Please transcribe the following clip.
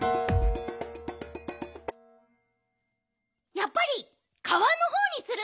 やっぱり川のほうにする。